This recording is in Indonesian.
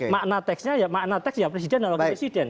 makna teksnya makna teksnya presiden dan wakil presiden